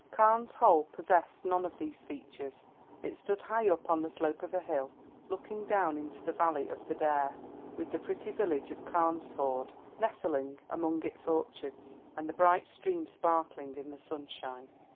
Carne's Hold possessed none of these features. It stood high up on the slope of a hill, looking down into the valley of the Dare, with the pretty village of Carnesford nestling among its orchards, and the bright stream sparkling in the sunshine.